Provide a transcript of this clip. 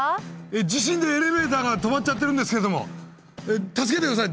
地震でエレベーターが止まっちゃってるんですけども助けて下さい！